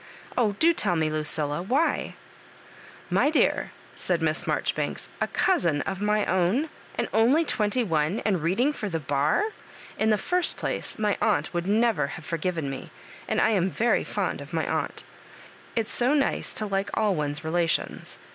Oh, do tell me, Lucilla^ why ?"My dear," said Was Marjoribanks, " a cousin of my own I and only twenty one, and reading for the barl In the first place, my aunt would never have forgiven me, and I am very fond of ray aunt. It's so nice to like all one's relations.